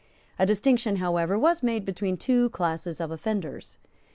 A distinction, however, was made between two classes of offenders.